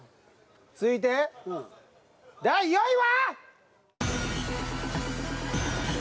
続いて第４位は！？